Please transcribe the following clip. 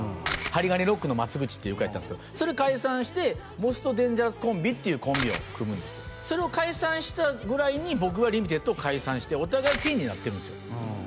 ハリガネロックの松口っていう子やったんすけどそれ解散してモストデンジャラスコンビっていうコンビを組むんですそれを解散したぐらいに僕はリミテッドを解散してお互いピンになってるんですよ